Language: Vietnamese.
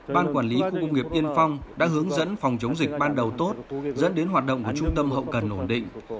ban quản lý khu công nghiệp yên phong đã hướng dẫn phòng chống dịch ban đầu tốt dẫn đến hoạt động của trung tâm hậu cần ổn định